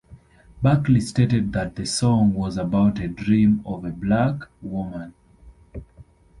Buckley stated that the song was about a dream of a black woman.